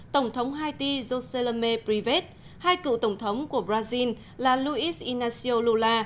tổng thống haiti joselme privet hai cựu tổng thống của brazil là luiz inácio lula